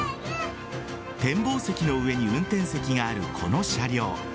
展望席の上に運転席があるこの車両。